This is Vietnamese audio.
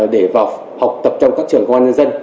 để vào học tập trong các trường công an nhân dân